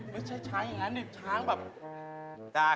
ไม่ใช่ช้างอย่างงั้นดิ